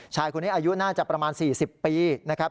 ชายคนนี้อายุน่าจะประมาณ๔๐ปีนะครับ